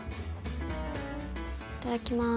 いただきまーす。